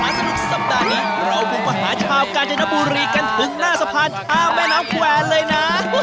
เราพวกมหาชาวกาญจนบุรีกันถึงหน้าสะพานชาวแม่น้ำแขวนเลยนะ